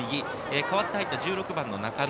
代わって入った１６番の中野。